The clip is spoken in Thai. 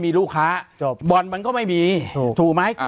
ปากกับภาคภูมิ